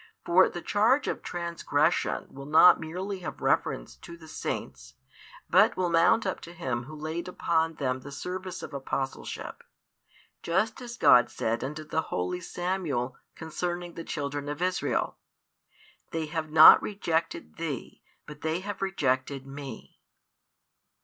For the charge of transgression will not merely have reference to the Saints, but will mount up to Him Who laid upon them the service of apostleship; just as God said unto the holy Samuel concerning the children of Israel: They have not rejected thee, but they have rejected Me.